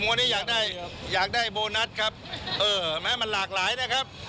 วันนี้อยากได้อยากได้โบนัสครับเออแม้มันหลากหลายนะครับ